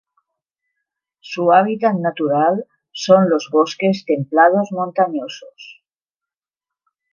Su hábitat natural son los bosques templados montañosos.